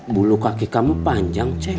bulu kaki kamu panjang ceng